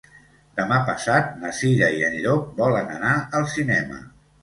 Demà passat na Cira i en Llop volen anar al cinema.